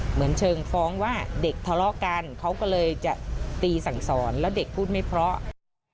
เหมือนเชิงฟ้องว่าเด็กทะเลาะกันเขาก็เลยจะตีสั่งสอนแล้วเด็กพูดไม่เพราะ